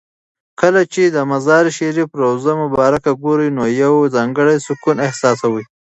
کله چې د مزار شریف روضه مبارکه ګورې نو یو ځانګړی سکون احساسوې.